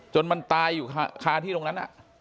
จนมันตายอยู่คาที่ตรงนั้น